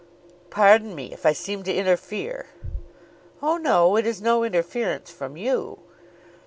"Pardon me if I seem to interfere." "Oh, no; it is no interference from you."